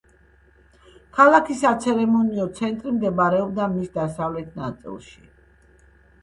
ქალაქის საცერემონიო ცენტრი მდებარეობდა მის დასავლეთ ნაწილში.